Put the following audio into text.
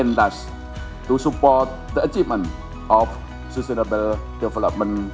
untuk mencapai tujuan pembangunan yang berhasil